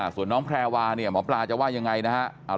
ส่วนน้องแพรวาหมอปลาจะว่ายังไงนะครับ